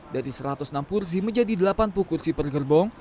dari satu ratus enam kursi menjadi delapan puluh kursi per gerbong